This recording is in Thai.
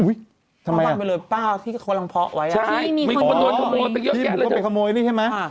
อุ๊ยทำไมล่ะพี่มีคนปลูกเข้าไปขโมยนี่ใช่ไหม